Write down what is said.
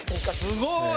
すごい！